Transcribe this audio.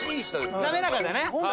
滑らかでね。